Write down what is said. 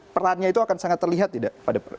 perannya itu akan sangat terlihat tidak